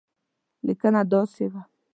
لیکنه داسې وه.